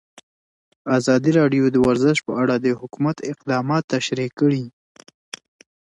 ازادي راډیو د ورزش په اړه د حکومت اقدامات تشریح کړي.